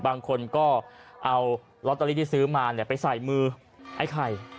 บางคนก็เอาลอตเตอรี่ที่ซื้อมาไปใส่มือไอ้ไข่